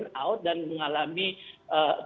mengalami kecemasan mengalami kecemasan